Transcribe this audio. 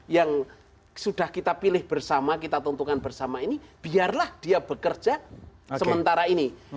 yang sudah kita pilih bersama kita tentukan bersama ini biarlah dia bekerja sementara ini